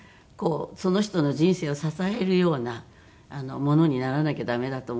その人の人生を支えるようなものにならなきゃ駄目だと思って。